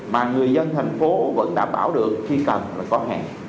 mà người dân thành phố vẫn đảm bảo được khi cần là có hẹn